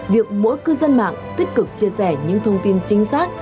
việc mỗi cư dân mạng tích cực chia sẻ những thông tin chính xác